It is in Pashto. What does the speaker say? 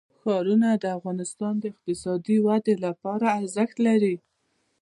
ښارونه د افغانستان د اقتصادي ودې لپاره ارزښت لري.